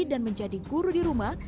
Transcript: menjadi guru di rumah